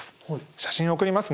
写真を送りますね。